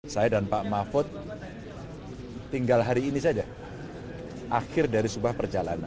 saya dan pak mahfud tinggal hari ini saja akhir dari sebuah perjalanan